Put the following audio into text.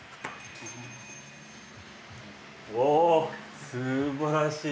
おすばらしい！